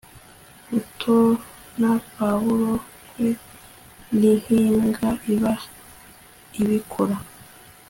gutonpawuloa kwe n'inkimbwa iba ibikora